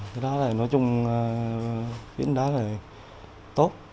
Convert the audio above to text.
cái đó là nói chung cái đó là tốt